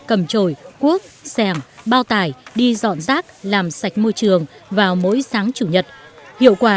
cầm trồi cuốc sẻng bao tải đi dọn rác làm sạch môi trường vào mỗi sáng chủ nhật hiệu quả